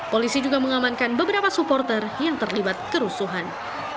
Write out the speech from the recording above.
polisi juga mengamankan beberapa supporter yang terlibat kerusuhan